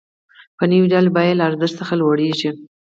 په نوي ډول یې بیه له ارزښت څخه لوړېږي